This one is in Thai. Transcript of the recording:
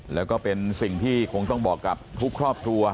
แล้วก็เป็นสิ่งที่คงต้องบอกกับทุกครอบครัว